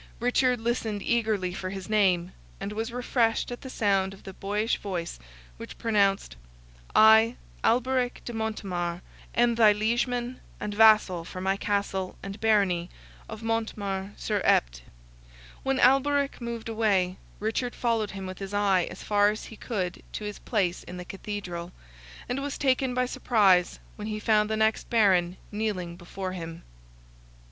Richard listened eagerly for his name, and was refreshed at the sound of the boyish voice which pronounced, "I, Alberic de Montemar, am thy liegeman and vassal for my castle and barony of Montemar sur Epte." When Alberic moved away, Richard followed him with his eye as far as he could to his place in the Cathedral, and was taken by surprise when he found the next Baron kneeling before him.